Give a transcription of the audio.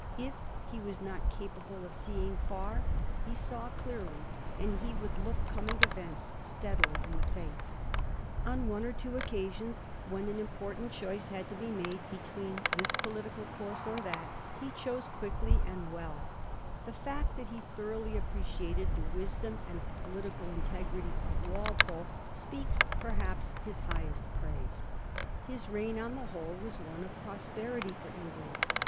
If he was not capable of seeing far, he saw clearly, and he could look coming events steadily in the face. On one or two occasions, when an impor tant choice had to be made between this political VOL. I. A A Digiti zed by Google 354 A HISTORY OF THE FOUR GEORGES, ch. xto. course and that, he chose quickly and well. The fact that he thoroughly appreciated the wisdom and the political integrity of Walpole speaks, perhaps, his highest praise. His reign, on the whole, was one of prosperity for England.